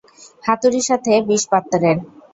হাতুড়ির সাথে বিষপাত্রের।